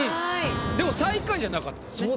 でも最下位じゃなかったよ。